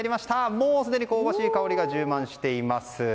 もうすでに香ばしい香りが充満しています。